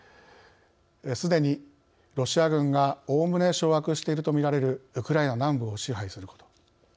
すでに、ロシア軍がおおむね掌握していると見られるウクライナ南部を支配すること。